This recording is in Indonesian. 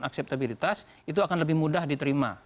akseptabilitas itu akan lebih mudah diterima